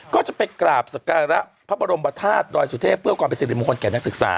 ก็จะไปกราบศักราะพระบรมบัธาตุดอยสุทธิพฯเพื่อความเป็นศิลปิสิติมงคลแก่นักศึกษา